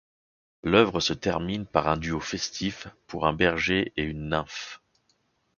L'œuvre se termine par un duo festif pour un berger et une nymphe.